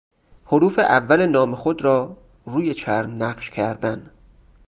حروف اول نام خود را روی چرم نقش کردن